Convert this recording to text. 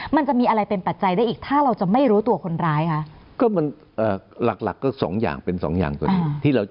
มันจะมีอะไรเป็นปัจจัยได้อีกถ้าเราจะไม่รู้ตัวคนร้ายคะ